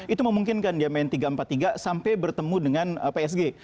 itu memungkinkan dia main tiga empat tiga sampai bertemu dengan psg